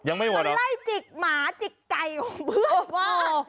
ยังไม่หมดหรอมันไล่จิกหมาจิกไก่ของเพื่อนบ้าโอ้โฮ